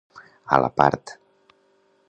A la part.